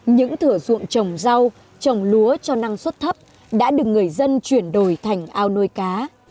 những thửa ruộng trồng rau trồng lúa cho năng suất thấp đã được người dân chuyển đổi thành ao nuôi cá